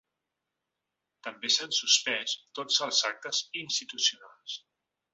També s’han suspès tots els actes institucionals.